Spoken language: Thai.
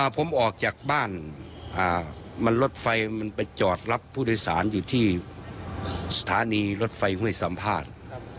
ผมออกจากบ้านมันรถไฟมันไปจอดรับผู้โดยสารอยู่ที่สถานีรถไฟห้วยสัมภาษณ์